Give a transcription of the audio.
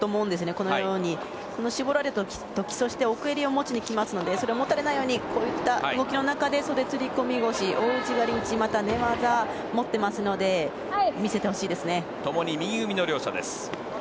このように絞られそして奥襟を持ちに行きますのでそれを持たれないようにこういった動きの中で袖釣り込み腰、大内刈り、寝技を持っていますのでともに右組みの両者です。